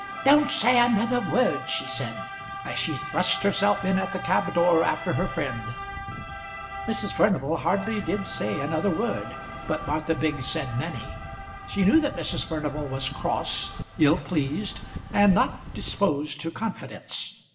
"Don't say another word," she said, as she thrust herself in at the cab door after her friend. Mrs. Furnival hardly did say another word, but Martha Biggs said many. She knew that Mrs. Furnival was cross, ill pleased, and not disposed to confidence.